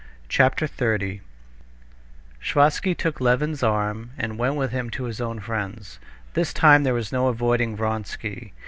Chapter 30 Sviazhsky took Levin's arm, and went with him to his own friends. This time there was no avoiding Vronsky.